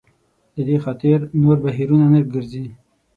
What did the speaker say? دې خاطر نور بهیرونه نه ګرځي.